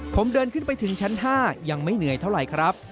ผมเดินขึ้นไปถึงชั้น๕ยังไม่เหนื่อยเท่าไหร่ครับ